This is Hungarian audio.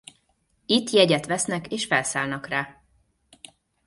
Itt jegyet vesznek és felszállnak rá.